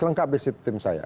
lengkap di situ tim saya